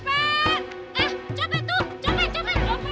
maaf ya rob tadi aku terima telepon